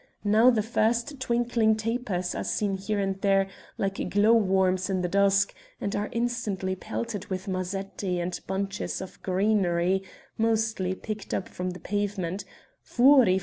Now the first twinkling tapers are seen here and there, like glow worms in the dusk, and are instantly pelted with mazetti and bunches of greenery, mostly picked up from the pavement "_Fuori!